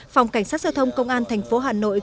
phòng cảnh sát giao thông công an tp hà nội